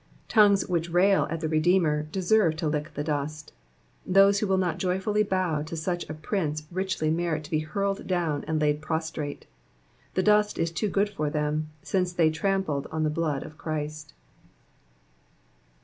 Tongues which rail at the Redeemer deserve to lick the dust. Those who will not joyfully bow to such a prince richly merit to be hurled down and laid prostrate ; the dust is too good for them, since they trampled on the blood of Christ.